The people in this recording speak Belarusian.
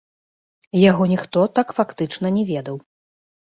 Яго ніхто так фактычна не ведаў.